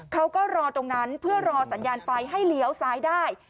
เขาก็รอตรงนั้นเพื่อรอสัญญาณไฟให้เลี้ยวซ้ายได้